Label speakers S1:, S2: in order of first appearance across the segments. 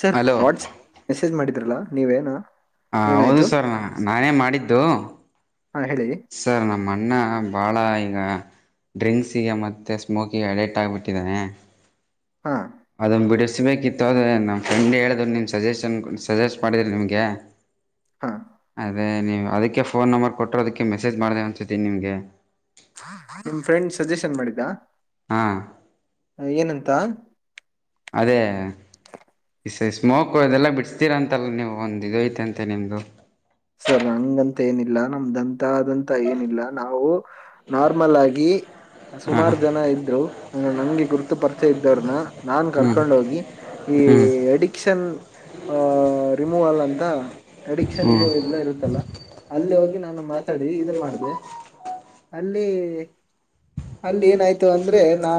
S1: Sir
S2: hello
S1: WhatsApp message ಮಾಡಿದ್ರಲ್ಲಾ ನೀವೇನ
S2: ಹ ಹೌದು ಸರ್ ನ ನಾನೇ ಮಾಡಿದ್ದು
S1: ಹಾ ಹೇಳಿ
S2: ಅನ್ನ ಭಾಳ ಈಗ ಡ್ರಿಂಕ್ಸಿಗೆ ಮತ್ತುತ್ತ ಸ್ಮೋಕಿಗೆ ಅಲೆಟ್ ಆಗಿಬಿಟ್ಟಿದ್ದಾನೆ
S1: ಹಾ
S2: ಅದನ್ನು ಬಿಡಿಸ್ಬೇಕಿತ್ತು ಅದ ನಮ್ಮ ಫ್ರೆಂಡ್ ಹೇಳಿದ್ರು ನಿಮ್ಮ ಸಜೆಷನ್ ಸಜೆಸ್ಟ್ ಮಾಡಿದಿಲ್ಲ ನಿಮಗೆ
S1: ಹಾಂ
S2: ಅದೇ ನೀವು ಅದಕ್ಕೆ ಫೋನ್ ನಂಬರ್ ಕೊಟ್ಟ್ರರು ಅದಕ್ಕೆ ಮೆಸೇಜ್ ಮಾಡ್ದೇ ಅನ್ಸತಿ ನಿಮ್ಗೆ
S1: ನಿಮ್ ಫ್ರೆಂಡ್ ಸಜೆಷನ್ ಮಾಡಿದ್ದಾ
S2: ಹ್ಞಾ ಅದೇ ಸ್ಮೋಕ್ ಇದೆಲ್ಲ ಬಿಡಸ್ತೀರಾ ಅಂತಲ್ಲ ನೀವು ಒಂದ ಇದು ಐತೆ ಅಂತೆ ನಿಮ್ದು
S1: ಸರ್ ಹಂಗಂತ ಏನಿಲ್ಲ ನಮ್ದಂತದಂತ ಏನಿಲ್ಲ ನಾವು ನಾರ್ಮಲ್ ಆಗಿ
S2: ಹಾಂ
S1: ಸುಮಾರು ಜನ ಇದ್ರು ಅಂಗ್ರ ನಂಗೆ ಗುರ್ತು ಪರಿಚಯ ಇದ್ದವ್ರನ್ನ ನಾ
S2: ಹ್ಞೂ
S1: ಕರ್ಕೊಂಡ ಹೋಗಿ ಈ
S2: ಹ್ಞೂ
S1: ಅಡಿಕ್ಷನ್ ಆ ರಿಮೂವಲ್ ಅಂತ ಅಡಿಕ್ಷನ್
S2: ಹ್ಞೂ
S1: ಇದು ಇ ಎಲ್ಲ ಇರುತ್ತಲ್ಲ ಅಲ್ಲಿ ಹೋಗಿ ನಾನು ಮಾತಾಡಿ ಇದ ಮಾಡ್ದ ಅಲ್ಲಿ ಅಲ್ಲಿ ಏನಾಯ್ತು ಅಂದ್ರೆ ನಾ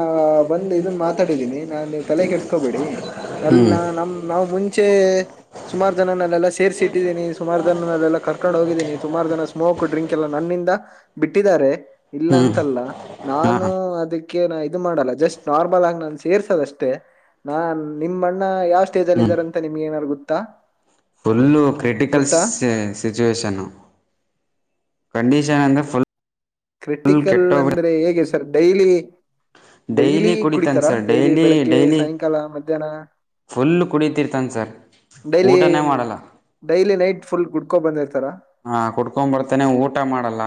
S1: ಬಂದ್ ಇದನ್ ಮಾತಾಡಿದ್ದೀನಿ ನಾನ್ ನೀವು್ ತಲೆ ಕೆರ್ಸ್ಕೋಬೇಡಿ
S2: ಹ್ಞೂ ಹ್ಞೂ
S1: ಅಲ್ಲ ನಮ ನಾವು ಮುಂಚೆ ಸುಮಾರು ಜನನಲ್ಲೆಲ್ಲ ಸೇರ್ಸಿ ಇಟ್ಟಿದ್ದೀನಿ ಸುಮಾರು ನೆಲ್ಲ ಕರ್ಕೊಂಡು ಹೋಗಿದ್ದೀನಿ ಸುಮಾರು ಜನ ಸ್ಮೋಕ್ ಡ್ರಿಂಕ್ ಎಲ್ಲ ನನ್ನಿಂದ ಬಿಟ್ಟಿದ್ದಾರೆ ಇಲ್ಲ
S2: ಹ್ಞೂ
S1: ಅಂತಲ್ಲ ನಾನು
S2: ಹಾಂ
S1: ಅದಕ್ಕೆ ನ ಇದ ಮಾಡಲ್ಲ ಜಸ್ಟ್ ನಾರ್ಮಲ್ ಆಗಿ ನಾನ ಸೇರ್ಸದಷ್ಟೇ. ನಾನ್ ನಿಮ್ಮ ಅಣ್ಣ ಯಾವ್ ಸ್ಟೇಜ್ ಅಲ್ಲಿ
S2: ಹ್ಞೂ
S1: ಇದ್ದಾರಂತ ನಿಮ್ಗೆ ಏನಾರು ಗೊತ್ತಾ.
S2: ಫುಲ್ಲು ಕ್ರಿಟಿಕಲ್ಸ
S1: ಗೊತ್ತಾ
S2: ಸೆ ಸಿಚುವೇಷನ್ ಕಂಡೀಷನ್ ಅಂದ ಫುಲ್
S1: ಕ್ರಿಟಿಕಲ್
S2: ಕೆಟ್ಟೋಗ್ಬಿಡ
S1: ಅಂದ್ರೆ ಹೇಗೆ ಸರ್ ಡೈಲಿ. ಡೈಲಿ
S2: ಕುಡಿತಾನ
S1: ಕುಡಿತಾರ
S2: ಸರ್
S1: ಡೈಲಿ ಬೆಳಿಗ್ಗೆ
S2: ಡೈಲಿ
S1: ಸಾಯಂಕಾಲ ಮಧ್ಯಾಹ್ನ.
S2: ಫುಲ್ ಕುಡಿತಿರ್ತಾನೆ ಸರ್
S1: ಡಲಿ
S2: ಊಟನೇ ಮಾಡಲ್ಲ
S1: ಡೈಲಿ ನೈಟ್ ಫುಲ್ ಕುಡ್ತ
S2: ಹ್ಞಾ ಕುಡ್ಕೊಂಡ ಬರ್ತನೆ ಊಟ ಮಾಡಲ್ಲ.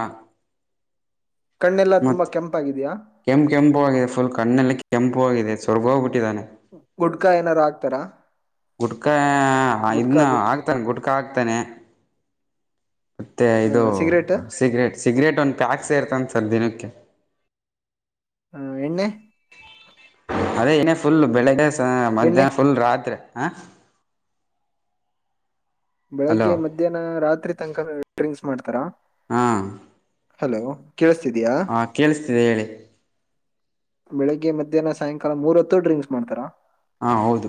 S1: ಕಣ್ಣೆಲ್ಲಾ ತುಂಬಾ ಕೆಂಪಾಗಿದೆಯಾ.
S2: ಕೆಂಪ ಕೆಂಪಗಾಗಿದೆ ಫುಲ್ ಕಣ್ಣಲ್ಲಿ ಕೆಂಪು ಆಗಿದೆ ಸರಿಗೋಗ ಬಿಟ್ಟಿದ್ದಾನೆ.
S1: ಗುಡ್ಕಾ ಏನಾರು ಹಾಕ್ತಾರ.
S2: ಗುಟ್ಕಾ ಇನ್ನ
S1: ಗುಡ್ಕಾ ಗುಟ್
S2: ಆಕ್ತಾನ ಗುಟ್ಕ ಹಾಕ್ತಾನೆ. ಮತ್ತೆ ಇದು
S1: ಸಿಗರೇಟ್
S2: ಸಿಗ್ರೆಟ್ ಸಿಗ್ರೆಟ್ ಒಂದ ಪ್ಯಾಕ್ ಸೇರ್ತನ ದಿನಕ್ಕೆ
S1: ಹಾ ಎಣ್ಣೆ
S2: ಅದೇ ನೇ ಫುಲ್ ಬೆಳಿಗ್ಗೆ
S1: ಎಣ್ಣೆ
S2: ಮಧ್ಯ ಫುಲ್ ರಾತ್ರಿ. ಆ
S1: ಬೆಳಿಗ್ಗೆ ಮಧ್ಯಾಹ್ನ ರಾತ್ರಿ ತನಕನೂ ಡ್ರಿಂಕ್ಸ್ ಮಾಡ್ತಾರಾ.
S2: ಹ್ಞಾ.
S1: ಹಲೋ. ಕೇಳಿಸ್ತಿದಯಾ
S2: ಹಾ ಕೇಳಿಸ್ತಿದೆ ಹೇಳಿ.
S1: ಬೆಳಿಗ್ಗೆ ಮಧ್ಯಾಹ್ನ ಸಾಯಂಕಾಲ ಮೂರ ಹತ್ತು ಡ್ರಿಂಕ್ಸ್ ಮಾಡ್ತಾರಾ.
S2: ಹ್ಞಾ ಹೌದು.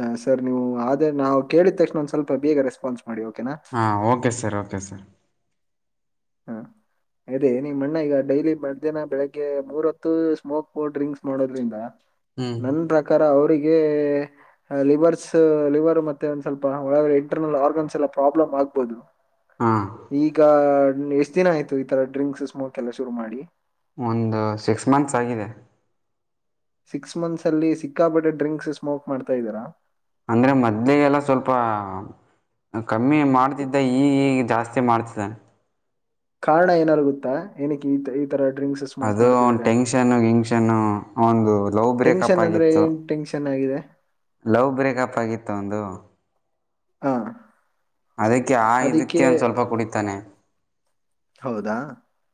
S1: ಅ ಸರ್ ನೀವು ಅದೇ ನಾವು ಕೇಳಿದ ತಕ್ಷಣ ಒಂದ್ ಸ್ವಲ್ಪ ಬೇಗ ರೆಸ್ಪಾನ್ಸ್ ಮಾಡಿ ಓಕೆನಾ
S2: ಹಾ ಓಕೆ ಸರ್ ಓಕೆ ಸರ್.
S1: ಹಾ ಅದೇ ನಿಮ್ ಅಣ್ಣ ಈಗ ಡೈಲಿ ಮಧ್ಯಾಹ್ನ ಬೆಳಿಗ್ಗೆ ಮೂರ್ ಹತ್ತು ಸ್ಮೋಕ್ ಡ್ರಿಂಕ್ಸ್ ಮಾಡೋದ್ರಿಂದ
S2: ಹ್ಞೂ
S1: ನನ್ ಪ್ರಕಾರ ಅವ್ರಿಗೆ ಲಿವರ್ಸ್ ಲಿವರ್ ಮತ್ತೆ ಒಂದ ಸ್ವಲ್ಪ ಒಲ್ಗಡೆ ಇಂಟರ್ನಲ್ ಆರ್ಗನ್ಸ್ ಎಲ್ಲಾ ಪ್ರಾಬ್ಲಮ್ ಆಗ್ಬೋದು.
S2: ಹಾಂ
S1: ಈಗ ಎಷ್ಟ ದಿನ ಆಯ್ತು ಈ ತರ ಡ್ರಿಂಕ್ಸ್ ಸ್ಮೋಕ್ ಎಲ್ಲ ಶುರು ಮಾಡಿ.
S2: ಒಂದ ಸಿಕ್ಸ್ ಮಂತ್ಸ್ ಆಗಿದೆ.
S1: ಸಿಕ್ಸ್ ಮಂತ್ಸ ಅಲ್ಲಿ ಸಿಕ್ಕಾಪಟ್ಟೆ ಡ್ರಿಂಕ್ಸ ಸ್ಮೋಕ ಮಾಡ್ತಾ ಇದ್ದೀರಾ.
S2: ಅಂದ್ರೆ ಮದ್ಲಗ ಎಲ್ಲಾ ಸ್ವಲ್ಪ ಕಮ್ಮಿ ಮಾಡ್ತಿದ್ದೆ ಈ ಈ ಜಾಸ್ತಿ ಮಾಡ್ತಿದ್ದಾನೆ.
S1: ಕಾರಣ ಏನಾರ ಗೊತ್ತಾ ಎನಕ್ಕ ಈ ತರ ಡ್ರಿಂಕ್ಸ್ ಸ್ಮೋಕ್
S2: ಅದು ಅವ್ನ
S1: ಮಾಡ್ತಿದ್ದಾರೆ ಅಂತ
S2: ಟೆನ್ಷನ್ ಗಿಂಷನ್ನು ಅವಂದು ಲವ್ ಬ್ರೇಕಪ್
S1: ಟೆನ್ಷನ್ ಅಂದ್ರೆ
S2: ಆಗಿತ್ತು.
S1: ಏನ್ ಟೆನ್ಷನ್ ಆಗಿದೆ
S2: ಲವ್ ಬ್ರೇಕಪ್ ಆಗಿತ್ತು ಅವಂದು
S1: ಹಾ
S2: ಅದಕ್ಕೆ ಆ ಇದಕ್ಕೆ
S1: ಅದಕ್ಕೆ
S2: ಒಂದ ಸ್ವಲ್ಪ ಕುಡಿತಾನೆ
S1: ಹೌದಾ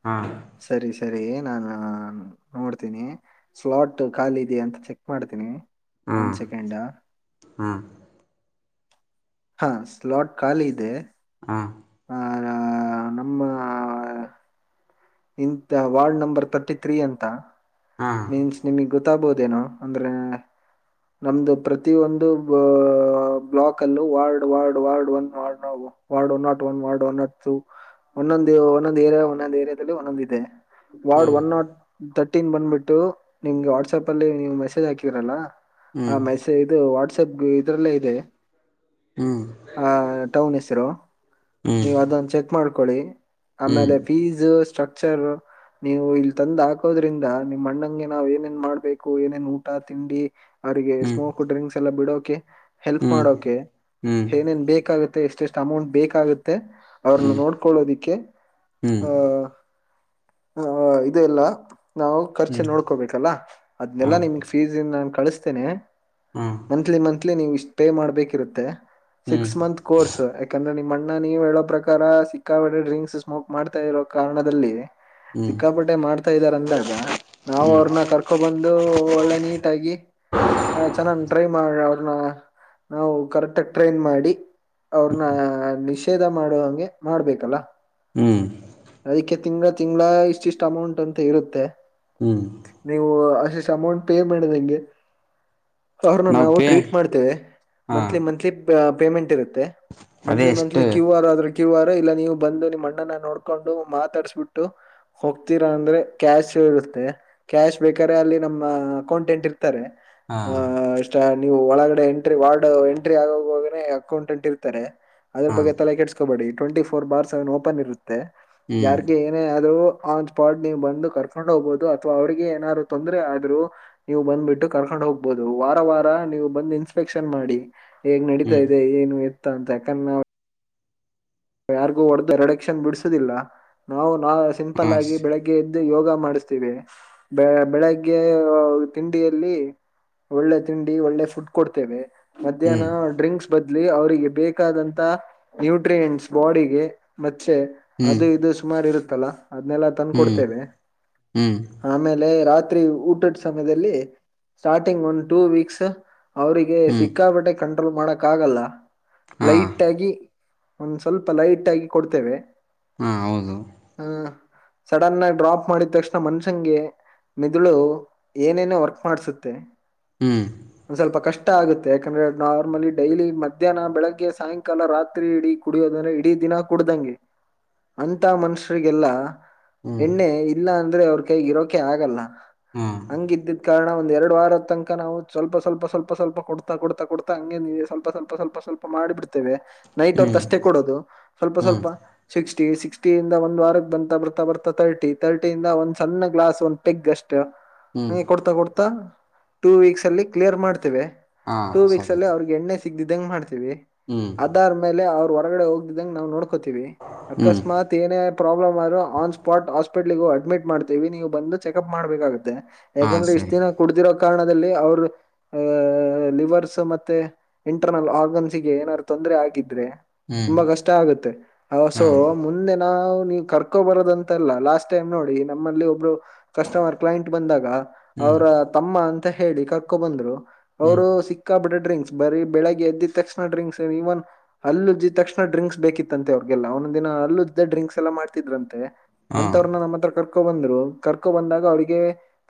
S2: ಹಾಂ
S1: ಸರಿ ಸರಿ ಏ ನಾನ ನೋಡ್ತೀನಿ ಸ್ಲಾಟ್ ಖಾಲಿ ಇದಿಯಾ ಅಂತ ಚೆಕ್ ಮಾಡ್ತೀನಿ
S2: ಹಾಂ
S1: ಒನ್ ಸೆಕೆಂಡಾ.
S2: ಹಾಂ
S1: ಹಾ ಸ್ಲಾಟ್ ಖಾಲಿ ಇದೆ.
S2: ಹ್ಞಾ.
S1: ಆ ನಮ್ಮ ಇಂತ ವಾರ್ಡ್ ನಂಬರ್ ತರ್ಟಿ ಥೀ ಅಂತ
S2: ಹಾಂ
S1: ಮೀನ್ಸ್ ನಿಮಗ್ ಗೊ ತ್ತಾಬೋದೆನೋ ಅಂದ್ರೆ ನಮ್ದು ಪ್ರತಿ ಒಂದು ಬ್ಲಾಕ್ ಅಲ್ಲೂ ward ward ward one ward no ward one nought one ward one nought two ಒಂದೊಂದ ಒಂದೊಂದು ಏರಿಯ ಒಂದೊಂದ ಏರಿಯಾ ಒಂದೊಂದ ಇದೆ ವಾರ್ಡ್
S2: ಹ್ಞೂ
S1: ಒನ್ ನಾಟ್ ತ ಟಿನ್ ಬಂದ್ಬಿಟ್ಟು ನಿಮ್ಗೆ ವಾಟ್ಸ್ಆಪ್ ಅಲ್ಲಿ ನೀವ ಮೆಸೇಜ್ ಹಾಕಿರಲ್ಲ
S2: ಹ್ಞೂ
S1: ಆ ಮೆಸೇ ಇದು ಟಿ ಸಗ್ಗು ಇದ್ರಲ್ಲೆ ಇದೆ
S2: ಹ್ಞೂ
S1: ಹ ಟೌನ್ ಹೆಸರು
S2: ಹ್ಞೂ
S1: ನೀವ ಅದನ್ನ ಚೆಕ್ ಮಾಡ್ಕೊಳ್ಳಿ
S2: ಹ್ಞೂ
S1: ಆಮೇಲೆ ಫೀಸ್ ಸ್ಟ್ರಕ್ಚರ್ ನೀವು ಇಲ್ ತಂದ್ ಹಾಕೋದ್ರಿಂದ ನಿಮ್ ಅಣ್ಣಂಗೆ ನಾವ್ ಏನೇನ್ ಮಾಡ್ಬೇಕು ಏನೇನ್ ಊಟ ತಿಂಡಿ ಅವರಿಗೆ
S2: ಹ್ಞೂ
S1: ಸ್ಮೋಕ್ ಡ್ರಿಂಕ್ಸ್ ಎಲ್ಲ ಬಿಡೋಕೆ ಹೆಲ್ಪ್
S2: ಹ್ಞೂ
S1: ಮಾಡೋಕೆ
S2: ಹ್ಮ್
S1: ಏನೇನ್ ಬೇಕಾಗು ಮತ್ತ ಎಷ್ಟ ಎಷ್ಟು ಅಮೌಂಟ್ ಬೇಕಾಗುತ್ತೆ ಅವ್ರನ್ನ
S2: ಹ್ಮ್
S1: ನೋಡ್ಕೊಳ್ಳೋದಿಕ್ಕೆ
S2: ಹ್ಮ್
S1: ಆಹ ಹ ಇದೆ ಎಲ್ಲ ನಾವು ಖರ್ಚು
S2: ಹ್ಮ್
S1: ನೋಡ್ಕೋಬೇಕಲ್ಲ
S2: ಹ
S1: ಅದ್ನೆಲ್ಲಾ ನಿಮಗೆ ಫೀಸ್ ಇನ್ ನಾನು ಕಳಿಸ್ತೇನೆ
S2: ಹ
S1: ಮಂತ್ಲಿ ಮಂತ್ಲಿ ನೀವು ಇಷ್ಟ ಮಾಡ್ಬೇಕಿರುತ್ತೆ.
S2: ಹ್ಮ್
S1: ಸಿಕ್ಸ್ ಮಂತ್ ಕೋರ್ಸ್ ಯಾಕಂದ್ರ ನಿಮ್ಮಣ ನಾನು ನೀವ ಹೇಳೋ ಪ್ರಕಾರ ಸಿಕ್ಕಾಪಟ್ಟೆ ಡ್ರಿಂಕ್ಸ್ ಸ್ಮೋಕ್ ಮಾಡ್ತಾ ಇರೋ ಕಾರಣದಲ್ಲಿ
S2: ಹ್ಮ್
S1: ಸಿಕ್ಕಾಪಟ್ಟೆ ಮಾಡ್ತಾ ಇದ್ದಾರಂತ ರಾಗ್ ನಾವು ಅವ್ರನ್ನ ಕರ್ಕೊ ಬಂದು ಒಳ್ಳೆ ನೀಟಾಗಿ ಹ ಚೆನ್ನಾಗ್ ಟ್ರೈ ಮಾಡ ಅವ್ರನ್ನ ನಾವು ಕರೆಕ್ಟ್ ಆಗ ಟ್ರೈನ್ ಮಾಡಿ ಅವ್ರನ್ನ ನಿಷೇಧ ಮಾಡುವಂಗೆ ಮಾಡ್ಬೇಕಲ್ಲ
S2: ಹ್ಮ್ ಹ್ಮ್
S1: ಅದಕ್ಕೆ ತಿಂಗಳ ತಿಂಗಳ ಇಷ್ಟಿಷ್ಟು ಅಮೌಂಟ್ ಅಂತ ಇರುತ್ತೆ
S2: ಹ್ಮ್
S1: ನೀವು ಅಷಿಷ್ಟ ಅಮೌಂಟ್ ಪೇ ಮಾಡಿದೆ ಹೆಂಗೆ ಅವರ್ನ ನಾವು ಟ್ರೀಟ್ ಮಾಡ್ತೇವೆ
S2: ಹಾ
S1: ಮಂತ್ಲಿ ಮಂತ್ಲಿ ಪೇಮೆಂಟ್ ಇರುತ್ತೆ
S2: ಅದೇ
S1: ಮಂತ್ಲಿ ಮಂತ್ಲಿ
S2: ಎಷ್ಟು
S1: ಕ್ಯೂ ಆರ್ ಆದ್ರೂ ಕ್ಯೂ ಆರ್ ಇಲ್ಲ ನೀವು ಬಂದು ನಿಮ್ಮ ಅಣ್ಣನ್ ನೋಡ್ ಕೊಂಡು ಮಾತಾಡಸ್ಬಿಟ್ಟು ಹೋಗ್ತೀರಾ ಅಂದ್ರೆ ಕ್ಯಾಶ್ ಇರುತ್ತೆ ಕ್ಯಾಶ್ ಬೇಕ್ರೆ ಅಲ್ಲಿ ನಮ್ಮ ಅಕೌಂಟೆಂಟ್ ಇರ ತಾರೇ
S2: ಹಾ
S1: ನೀವು ಒಳಗಡೆ ಎಂಟ್ರಿ ವಾರ್ಡ್ ಎಂಟ್ರಿ ಆಗೋಗೆ ಅಕೌಂಟೆಂಟ್ ಇರ್ತಾರೆ ಅದರ
S2: ಹಾ
S1: ಬಗ್ಗೆ ತಲೆ ಕೆಡಿಸ್ಕೊಬೇಡಿ twenty four bar seven open ಇರುತ್ತೆ
S2: ಹ್ಮ್
S1: ಯಾರಿಗೆ ಏನೇ ಆದ್ರೂ ಆನ್ ಸ್ಪಾಟ್ ನೀವು ಬಂದು ಕರ್ಕೊಂಡ್ ಹೋಗಬಹುದು ಅಥವಾ ಅವ್ರರಿಗೆ ಏನಾರು ತೊಂದರೆ ಆದ್ರು ನೀವು ಬಂದ್ಬಿಟ್ಟು ಕರ್ಕೊಂಡ್ ಹೋಗ್ಬಹುದು ವಾರ ವಾರ ನೀವು ಬಂದು ಇನ್ಸ್ಪೆಕ್ಷನ್ ಮಾಡಿ ಹೇಗ್ ನಡೀತಾ
S2: ಹ್ಮ್
S1: ಇದೆ ಏನು ಎತ್ತ ಅಂತ ಯಾಕ ಹ [inaudible] ಯಾರಿಗೂ ಹೊಡೆದು ರೆಡೆಕ್ಷನ್ ಬಿಡಸುದಿಲ್ಲ ನಾವು ನಾ ಸಿಂಪಲ್
S2: ಹ
S1: ಆಗಿ ಬೆಳಗ್ಗೆ ಎದ್ದು ಯೋಗ ಮಾಡಿಸಿ ಬೆ ಬೆಳಗ್ಗೆ ತಿಂಡಿಯಲ್ಲಿ ಒಳ್ಳೆ ತಿಂಡಿ ಒಳ್ಳೆ ಫುಡ್ ಕೊಡ್ತೇವೆ ಮಧ್ಯಾಹ್ನ
S2: ಹ್ಮ್
S1: ಡ್ರಿಂಕ್ಸ್ ಬದ್ಲಿ ಅವರಿಗೆ ಬೇಕಾದಂತ ನ್ಯೂಟ್ರಿಯೆಂಟ್ಸ್ ಬಾಡಿಗೆ ಮೆ
S2: ಹ್ಮ್
S1: ಅದು ಇದು ಸುಮಾರು ಇರುತ್ತಲ್ಲ ಅದನೆಲ್ಲ ತಂದ
S2: ಹ್ಮ್
S1: ಕೊಡ್ತೇವೆ
S2: ಹ್ಮ್
S1: ಆಮೇಲೆ ರಾತ್ರಿ ರಾತ್ರಿ ಊಟದ ಸಮಯದಲ್ಲಿ ಸ್ಟಾರ್ಟಿಂಗ್ ಒಂದು ಟೂ ವೀಕ್ಸ್ ಅವರಿಗೆ
S2: ಹ್ಮ್
S1: ಸಿಕ್ಕಾಪಟ್ಟೆ ಕಂಟ್ರೋಲ್ ಮಾಡಕ್ ಆಗಲ್ಲ
S2: ಹಾ
S1: ಲೈಟ್ ಆಗಿ ಒಂದ ಸ್ವಲ್ಪ ಲೈಟ್ ಆಗಿ ಕೊಡ್ತೇವೆ.
S2: ಹಾ ಹೌದು
S1: ಸಡನ್ ಆಗಿ ಡ್ರಾಪ್ ಮಾಡಿದ ತಕ್ಷಣ ಮನುಷನ್ಗೆ ಮೇದುಳು ಏನೇನೋ ವರ್ಕ್ ಮಾಡ್ಸುತ್ತೆ
S2: ಹ್ಮ್
S1: ಒಂದ ಸ್ವಲ್ಪ ಕಷ್ಟ ಕಷ್ಟ ಆಗುತ್ತೆ ಯಾಕಂದ್ರೆ ನಾರ್ಮಲಿ ಡೈಲಿ ಮಧ್ಯಾಹ್ನ ಬೆಳಿಗ್ಗೆ ಸಾಯಂಕಾಲ ರಾತ್ರಿ ಇಡೀ ಕುಡಿಯೋದಂದ್ರೆ ಇಡೀ ದಿನ ಕುಡ್ದಂಗೆ ಅಂತ ಮನುಷ್ಯರಿಗೆಲ್ಲ
S2: ಹ್ಮ್
S1: ಎಣ್ಣೆ ಇಲ್ಲ ಅಂದ್ರೆ ಅವ್ರ ಕೈಗ ಇರೋಕೆ ಆಗಲ್ಲ
S2: ಹಾ
S1: ಹಂಗ ಇದಿದ್ದಿದ್ ಕಾರಣ ಒಂದ್ ಎರಡು ವಾರದ ತನಕ ನಾವು ಸ್ವಲ್ಪ ಸ್ವಲ್ಪ ಸ್ವಲ್ಪ ಸ್ವಲ್ಪ ಕೊಡ್ತಾ ಕೊಡ್ತಾ ಕೊಡ್ತಾ ಹಂಗೆ ಸ್ವಲ್ಪ ಸ್ವಲ್ಪ ಸ್ವಲ್ಪ ಸ್ವಲ್ಪ ಮಾಡಿಬಿಡ್ತೇವೆ ನೈಟ್
S2: ಹ್ಮ್
S1: ಹೊತ್ತುಷ್ಟೇ ಕೊಡೋದು ಸ್ವಲ್ಪ
S2: ಹ್ಮ್
S1: ಸ್ವಲ್ಪ ಸಿ ಸಿಕ್ಸ್ಟಿಿಯಿಂದ ಒಂದ್ ವಾರಕ್ಕೆ ತನ್ಕ ಬರ್ತಾ ಬರ್ತಾ ತರ್ಟಿ ತರ್ಟಿಂದ ಸಣ್ಣ ಗ್ಲಾಸ್ ಒಂದು ಪೆಗ್ ಅಷ್ಟ
S2: ಹ್ಮ್
S1: ಹಗೆ ಕೊಡ್ತಾ ಕೊಡ್ತಾ ಟೂ ವೀಕ್ಸ್ ಅಲ್ಲಿ ಕ್ಲಿಯರ್ ಮಾಡ್ತೇವೆ
S2: ಹಾ
S1: ಟೂ ವೀಕ್ಸ್
S2: ಸರಿ
S1: ಅಲ್ಲಿ ಅವ್ರಗ್ ಎಣ್ಣೆ ಸಿಗ್ದಿದ್ದಂಗ ಮಾಡ್ತೀವಿ
S2: ಹ್ಮ್
S1: ಅದಾದ್ಮೇಲೆ ಹೊರಗಡೆ ಹೋಗ್ದಿದಂಗಗೆ ನಾವು ನೋಡ್ಕೋತೀವಿ
S2: ಹ್ಮ್
S1: ಅಕಸ್ಮಾತ್ ಏನೇ ಪ್ರಾಬ್ಲಮ್ ಆದರೂ ಆನ್ ಸ್ಪಾಟ್ ಹಾಸ್ಪಿಟ್ಲಿಗೂ ಅಡ್ಮಿಟ್ ಮಾಡ್ತೀವಿ ನೀವು ಬಂದು ಚೆಕಪ್ ಮಾಡಬೇಕಾಗುತ್ತೆ
S2: ಹಾ
S1: ಯಾಕಂದ್ರೆ ಇಷ್ಟ
S2: ಸರಿ
S1: ದಿನ ಕುಡ್ದಿರೋ ಕಾರಣದಲ್ಲಿ ಅವರು ಆಹ ಲಿವರ್ಸ್ ಮತ್ತೆ ಇಂಟರ್ನಲ್ ಆರ್ಗನ್ಸ್ ಗೆ ಏನಾದಾರರು ತೊಂದರೆ ಆಗಿದ್ರೆ
S2: ಹ್ಮ್
S1: ತುಂಬಾ ಕಷ್ಟ ಆಗುತ್ತೆ ಸೊ
S2: ಹಾ
S1: ಮುಂದೆ ನಾ ನೀವು್ ಕರ್ಕೋ ಬರೋದಂತಲ್ಲ ಲಾಸ್ಟ್ ಟೈಮ್ ನೋಡಿ ನಮ್ಮಲ್ಲಿ ಒಬ್ರು ಕಸ್ಟಮರ್ ಕ್ಲೈಂಟ್ ಬಂದಾಗ
S2: ಹ್ಮ್
S1: ಅವರ ತಮ್ಮ ಅಂತ ಹೇಳಿ ಕಕ್ಕೋ ಬಂದ್ರು
S2: ಹ್ಮ್
S1: ಅವರು ಸಿಕ್ಕಾ ಪಟ್ಟೆ ಡ್ರಿಂಕ್ಸ್ ಬರೀ ಬೆಳಗ್ ಎದ್ದಿದ ತಕ್ಷಣ ಡ್ರಿಂಕ್ಸ್ ಇವನ್ ಅಲ್ಲು ಜಿ ತಕ್ಷಣ ಡ್ರಿಂಕ್ಸ್ ಬೇಕಿತ್ತಂತೆ ಅವ್ರಗೆಲ್ಲ ಒಂದೊಂದ ದಿನ ಅಲ್ಲ್ದ ಡ್ರಿಕ್ಸ್ ಎಲ್ಲ ಮಾಡ್ತಿದ್ರಂತೆ
S2: ಹಾ
S1: ಅಂತವ್ರನ್ನ ನಮ್ಮ ಹತ್ರ ಕರ್ಕೊ ಬಂದ್ರು ಕರ್ಕೋ ಬಂದಾಗ ಅವ್ರಿಗೆ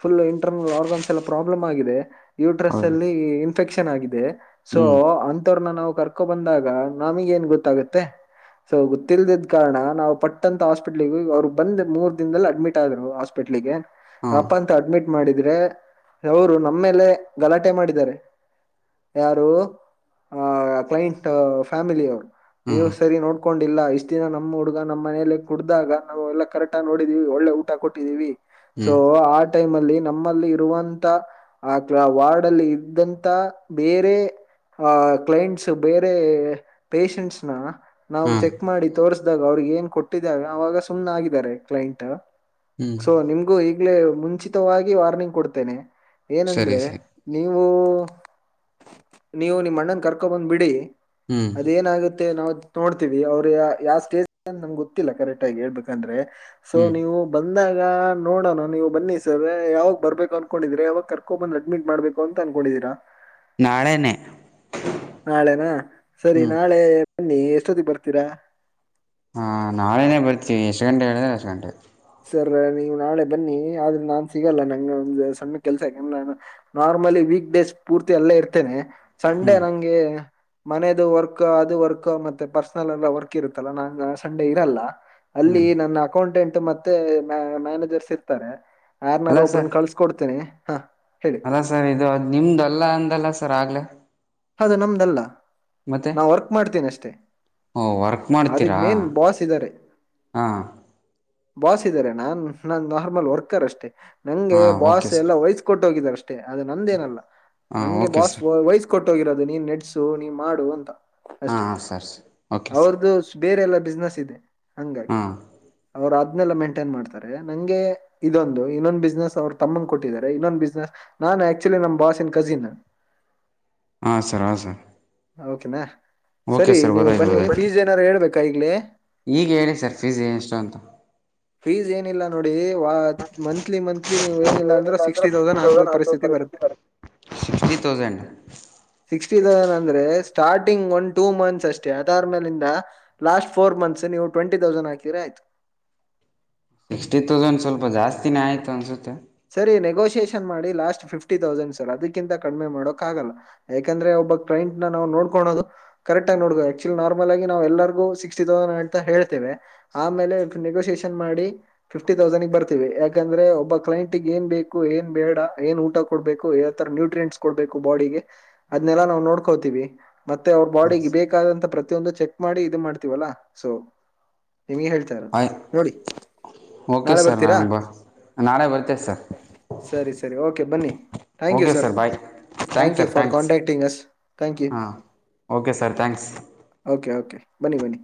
S1: ಫುಲ್ ಇಂಟರ್ನಲ್ ಆರ್ಗನ್ಸ್ ಎಲ್ಲ ಪ್ರಾಬ್ಲಮ್ ಆಗಿದೆ ಯೂಟ್ರಸ್
S2: ಹೌದು
S1: ಅಲ್ಲಿ ಇನ್ಫೆಕ್ಷನ್ ಆಗಿದೆ ಸೊ
S2: ಹ್ಮ್
S1: ಅಂಥವ್ರನ್ನ ನಾವು ಕರ್ಕೊ ಬಂದಾಗ ನಮಗ ಏನ್ ಗೊತ್ತಾಗತ್ತೆ ಸೊ ಗೊತ್ತಿಲ್ದದ್ ಕಾರಣ ನಾವು ಪಟ್ಟಂತ ಹಾಸ್ಪಿಟ್ಲ್ಗ ಅವ್ರು ಬಂದ್ ಮೂರ್ ದಿನದಲ್ಲಿ ಅಡ್ಮಿಟ್ ಆದ್ರು ಹಾಸ್ಪಿಟ್ಲಿಗೆ
S2: ಹಾ
S1: ಅಪ್ಪ ಅಂತ ಅಡ್ಮಿಟ್ ಮಾಡಿದ್ರೆ ಅವರು ನಮ್ಮೇಲೆ ಗಲಾಟೆ ಮಾಡಿದ್ದಾರೆ ಯಾರು ಆ ಕ್ಲೈಂಟ್ ಫ್ಯಾಮಿಲ ಅವರು ನೀವು
S2: ಹ್ಮ್
S1: ಸರಿ ನೋಡ್ ಕಕೊಂಡಿಲ್ಲ ಇಷ್ಟ್ ದಿನ ನಮ್ಮ್ ಹುಡುಗ ನಮ್ಮ್ನೇಲೆ ಕುಡ್ದಾಗ ನಾವು ಎಲ್ಲಾ ಕರೆಕ್ಟ್ ಆಗಿ ನೋಡಿದೀವಿ ಒಳ್ಳೆ ಊಟ ಕೊಟ್ಟಿದೀವಿ ಸೊ
S2: ಹ್ಮ್
S1: ಆ ಟೈಮ್ ಅಲ್ಲಿ ಲ್ಲಿ ನಮ್ಮಲ್ಲಿ ಇರುವಂತ ಆ ವಾರ್ಡ್ ಅಲ್ಲಿ ಇದ್ದಂತ ಬೇರೆ ಆ ಕ್ಲೈಂಟ್ಸ್ ಬೇರೆ ಪಷಂಟ್ಸ್ ನ ನಾವು
S2: ಹಾ
S1: ಚೆಕ್ ಮಾಡಿ ತೋರ್ ಅವ್ರಗ ಏನ್ ಕೊಟ್ಟಿದಾಗ ಅವಾಗ ಸುಮ್ಮ್ ಆಗಿದ್ದಾರೆ ಕ್ಲೈಂಟ್
S2: ಹ್ಮ್
S1: ಸೊ ನಿಮ್ಗು ಈಗ ಈ ಮುಂಚಿತವಾಗಿ ವಾರ್ನಿಂಗ್ ಕೊಡ್ತೇನೆ
S2: ಸರಿ
S1: ಏನಂದ್ರೆ
S2: ಸರಿ
S1: ನೀವು ನೀವು ನಿಮ ಅಣ್ಣನ್ ಕರ್ಕೊ ಬಂದ್ ಬಿಡಿ
S2: ಹ್ಮ್
S1: ಅದೇನಾಗುತ್ತೆ ನಾವು ನೋಡ್ತೀವಿ ಅವ್ರ ಯಾವ ಸ್ಟೇಜ್ ನಮ್ ಗೊತ್ತಿಲ್ಲ ಕರೆಕ್ಟ್ ಆಗಿ ಹೇಳ್ಬೇಕಂದ್ರೆ ಸೊ
S2: ಹ್ಮ್
S1: ನೀವು ಬಂದ ನೋಡೋಣ ನೀವು ಬನ್ನಿ ಸರ್ ಯಾವಾಗ ಬರ್ಬೇಕು ಅನ್ಕೊಂಡಿದ್ರೆ ಯಾವಾಗ ಕರ್ಕೊಂಡ್ ಬಂದು ಅಡ್ಮಿಟ್ ಮಾಡ್ಬೇಕು ಅಂತ ಅನ್ಕೊಂಡಿದ್ರಿ [inaudible]
S2: ನಾಳೆನೆೆ
S1: ನಾಳೆನಾ ಸರಿ ನಾಳೆ ಬನ್ನಿ ಎಷ್ಟೊತ್ತಿಗೆ ಬರ್ತೀರಾ
S2: ಹಾ ನಾಳೆನೇ ಬರ್ತೀವಿ ಎಷ್ಟು ಗಂಟೆ ಹೇಳಿದ್ರೆ ಎಷ್ಟ್ ಗಂಟೆ
S1: ಸರ್ ನೀವು ನಾಳೆ ಬನ್ನಿ ಆದ್ರೆ ನಾನ್ ಸಿಗಲ್ಲ ನಂ ಒಂದ ಸಣ್ಣ ಕೆಲ್ಸ ನ ನಾರ್ಮಲಿ ವೀಕ್ ಡೇಸ್ ಪೂರ್ತಿ ಎಲ್ಲೇ ಇರ್ತೇನೆ ಸಂಡೆ
S2: ಹ್ಮ್
S1: ನಂಗೆ ಮನೇದು ವರ್ಕ್ ಅದು ವರ್ಕ್ ಮತ್ತೆ ಪರ್ಸನಲ್ ಎಲ್ಲ ವರ್ಕ್ ಇರುತ್ತಲ್ಲ ನಂಗ ಸಂಡೇ ಇರಲ್ಲ ಅಲ್ಲಿ
S2: ಹ್ಮ್
S1: ನನ್ನ ಅಕೌಂಟೆಂಟ್ ಮತ್ತೆ ಮ ಮ್ಯಾನೇಜರ್ಸ್ ಇರ್ತಾರೆ
S2: ಅಲ್ಲ
S1: ಯಾರ್ನಾರು
S2: ಸರ್
S1: ಒಬ್ಬ್ರನ್ನ ಕಳ್ಸಕ ಕೊಡ್ತೇನೆಿ ಹ
S2: ಅಲ್ಲ ಸರ್ ಇದು ಅದ್ ನಿಮ್ದ ಅಲ್ಲ ಅಂದಲ್ಲ ಸರ್ ಆಗ್ಲೆೇ
S1: ಅದು ನಮ್ದಲ್ಲ ನಾ ವರ್ಕ್ ಮಾಡ್ತೀನ ಅಷ್ಟೇ
S2: ಓ ವರ್ಕ್
S1: ಅದಕ್
S2: ಮಾಡ್ತೀರಾ
S1: ಮೇನ್ ಬಾಸ್ ಇದ್ದಾರೆ
S2: ಹಾಂ
S1: ಬಾಸ್ ಇದಾರೆ ನಾನ್ ನನ್ ನಾರ್ಮಲ್ ವರ್ಕರ್ ಅಷ್ಟೆ ನಂಗೆ
S2: ಹಾಂ
S1: ಬಾಸ್
S2: ಓಕೆ ಸರ್
S1: ಎಲ್ಲ ವಯಸ್ ಕೊಟ್ಟ ಹೋಗಿದಾರ ಅಷ್ಟೇ ಅದು ನಂದೇನಲ್ಲ
S2: ಹಾಂ
S1: ನಂಗೆ
S2: ಓಕೆ
S1: ಬಾಸ್
S2: ಸರ್
S1: ವಯಸ್ ಟ್ಟೋಗಿರೋದು ನೀ ನೆಡ್ಸು ನೀ ಮಾಡು ಅಂತ
S2: ಹಾಂ
S1: ಅಷ್ಟೇ
S2: ಹಾಂ ಸರ್ ಸರ್ ಓಕೆ ಸರ್
S1: ಅವರದು ಬೇರೆಲ್ಲ ಬಿಸ್ನೆಸ್ ಇದೆ ಹಂಗಾಗಿ
S2: ಹಾಂ
S1: ಅವರು. ಮೇಂಟೈನ್ ಮಾಡ್ತಾರೆ ನಂಗೆ ಇದೊಂದು ಇನ್ನೊಂದು ಬಿಸ್ನೆಸ್ ಅವರು ತಮ್ಮನ್ ಕೊಟ್ಟಿದ್ದಾರೆ ಇನ್ನೊಂದು ಬಿಸ್ನೆಸ್ ನ. ಆಕ್ಚುಲಿ ನಮ್ಮ ಬಾಸನ್ ಕಸಿನ್
S2: ಹ ಸರ್ ಹ ಸರ್
S1: ಓಕೆನಾ
S2: ಓಕೆ
S1: ಸರಿ
S2: ಸರ್
S1: ನೀವು
S2: ಗೊತ್ತಾಯ್ತು
S1: ಬನ್ನಿ
S2: ಗೊತ್ತಾಯ್ತು
S1: ಫೀಸ್ ಏನಾದಾರು ಹೇಳ್ಬೇಕಾ ಈಗ್ಲ
S2: ಈಗ ಹೇಳಿ ಸರ್ ಫೀಸ್ ಎಷ್ಟು ಅಂತ
S1: ಏನಿಲ್ಲ ನೋಡಿ ನೋ ಮಂತ್ಲಿ ಮಂತ್ಲಿ ನೀವು ಏನಿಲ್ಲ ಅಂದ್ರೆ ಸಿಕ್ಸ್ಟಿ ತೌಸಂಡ್ ಹಾಕೋ ಪರಿಸ್ಥಿತಿ ಬರುತ್ತೆ
S2: ಸಿಕ್ಫಟಿ ತಥೌಸಂಡಂಡ್
S1: ಸಿಕ್ಸ್ಟಿ ಅಂದ್ರೆ ಸ್ಟ ಸ್ಟಾರ್ಟಿಂಗ್ ಒಂದು ಟೂ ಮಂತ್ಸ್ ಅಷ್ಟೇ ಅದಾದ್ಮೇಲಿಂದ ಲಾಸ್ಟ್ ಫೋರ್ ಮಂತ್ಸ್ ನೀವು ಟ್ವೆಂಟಿ ತೌಸಂಡ ಹಾಕಿರೆ ಆಯ್ತು [unintelligible]
S2: ಸಿಕ್ಸ್ಟಿ ತೌಸಂಡ್ ಸ್ವಲ್ಪ ಜಾಸ್ತಿನೇ ಆಯ್ತು ಅನ್ಸುತ್ತೆ.
S1: ಸರಿ ನಿಗೋ [unintelligible] ಮಾಡಿ ಲಾಸ್ಟ್ ಫಿಫ್ಟಿ ತೌಸಂಡ್ ಸರ್ದಿಂತ ಕಡಿಮೆ ಮಾಡೋಕಕ್ ಆಲ್ಲ ಯಾಕಂದ್ರೆ ಒಬ್ಬ ಟ್ರಂಟ್ ನವು. ನೋಡ್ಕೋದು ಕರೆಟ್ ಆಗಿ ಅಚ್ಚುಲಿ ನಾರ್ಮಲ್ ಆಗಿ ನವು ಎಲ್ಲರಿಗೂ ಸಿಕ್ಸ್ಟಿ ತೌಸಂಡ್ ಅಂತ ಹೇತೇವೆ ಹಮ್. ಆಮೇಲೆ ನೆಗೋಸಿಯೇಷನ್ ಮಾಡಿ ಫಿಫ್ಟಿ ತೌಸಂಡ ಬರ್ತೀವಿ ಯಾಕಂದ್ರೆ ಒಬ್ಬ ಕ್ಲೈಂಟ್. ಏ ಬೇಕು ಏನ್ ಬೇಡ ಏನ್ ಊಟ ಕೊಡ್ಬೇಕು ಯರ ನೋಟ್ರಿಯಸ್ ಕೊಬೇಕು ಬಾಡಿಗೆ ಅದ್ನೇಲ್ಲ ಹಟ್ಟಿ. ನಾವು ನೋಡ್ಕೋತೀವಿ ಮೆತ್ ಮತ್ತೆ ಅವ್ರ ಬಾಡಿಗೆ ಬೇಕಾದಂತ ಪ್ರತಿಯೊಂದು ಚೆಕ್ ಮಾಡಿ ಇದು ಮಾಡ್ತೀವಲ್ಲ ಸೊ ನಿಮ್ಗೆ ಹೇಳ್ತಾಾರ
S2: ಆಯ್
S1: ನೋಡಿ
S2: ಓಕೆ
S1: ನಾಳೆ
S2: ಸರ್
S1: ಬರ್ತೀರಾ.
S2: ನಾನು ಬ ನಾಳೆ ಬರ್ತೇನೆ ಸರ್
S1: ಸರಿ ಸರಿ ಓಕೆ ಬನ್ನಿ thank you
S2: okay
S1: sir.
S2: Bye
S1: thank
S2: thanks
S1: you
S2: sir
S1: for
S2: thanks
S1: contacting us thank you
S2: ಹಾಂ okay sir thanks
S1: okay okay. ಬನ್ನಿ ಬನ್ನಿ